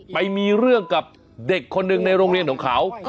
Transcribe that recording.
ไปมีเรื่องกับเด็กคนหนึ่งในโรงเรียนของเขา